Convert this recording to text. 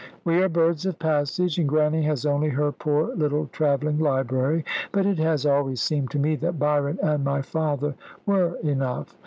We are birds of passage, and Grannie has only her poor little travelling library but it has always seemed to me that Byron and my father were enough.